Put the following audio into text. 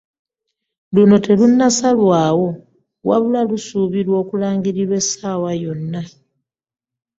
Luno terunnasalwawo wabula nga lusubiirwa okulangirirwa essawa yonna.